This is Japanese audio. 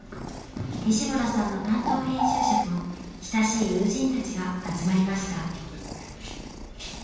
西村さんの担当編集者と親しい友人たちが集まりました。